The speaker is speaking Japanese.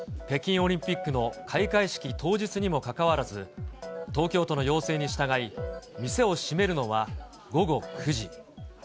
北京オリンピックの開会式当日にもかかわらず、東京都の要請に従い、店を閉めるのは午後９時。